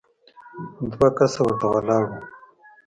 دوه کسه ورته ولاړ وو.